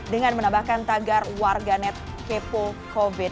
dengan menambahkan tagar warganet kepo covid sembilan belas